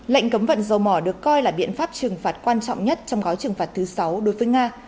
lệnh cấm vận dầu mỏ được coi là biện pháp trừng phạt quan trọng nhất trong gói trừng phạt thứ sáu đối với nga